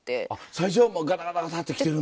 最初はもうガタガタガタってきてるんだ。